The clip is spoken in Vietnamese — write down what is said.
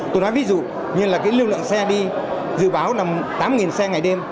tôi nói ví dụ như là cái lưu lượng xe đi dự báo là tám xe ngày đêm